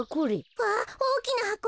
わおおきなはこ。